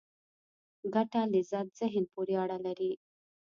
ګټه لذت ذهن پورې اړه لري.